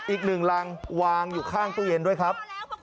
อีกหนึ่งรังวางอยู่ข้างตู้เย็นด้วยครับ